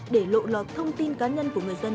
để lộ lọt thông tin cá nhân của người dân